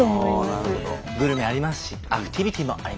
グルメありますしアクティビティーもあります。